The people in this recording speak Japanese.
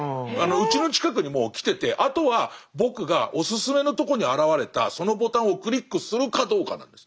うちの近くにもう来ててあとは僕がおすすめのとこに現れたそのボタンをクリックするかどうかなんです。